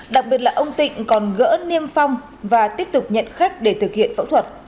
đặc biệt là ông tịnh còn gỡ niêm phong và tiếp tục nhận khách để thực hiện phẫu thuật